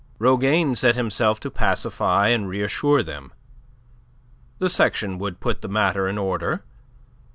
Rougane set himself to pacify and reassure them. The section would put the matter in order.